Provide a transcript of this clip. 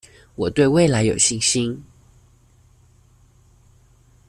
我對未來有信心